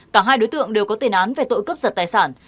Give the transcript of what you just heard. cả hai đối tượng đều có tên án về tội cướp giật tài sản